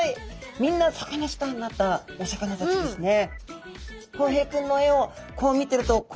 みんなサカナスターになったお魚たちですね。